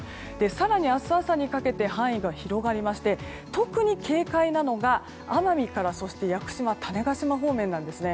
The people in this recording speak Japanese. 更に明日朝にかけて範囲が広がりまして特に警戒なのが奄美から屋久島、種子島方面なんです。